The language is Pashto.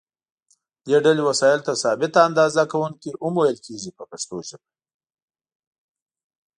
دې ډلې وسایلو ته ثابته اندازه کوونکي هم ویل کېږي په پښتو ژبه.